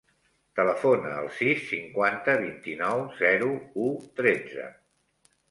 Telefona al sis, cinquanta, vint-i-nou, zero, u, tretze.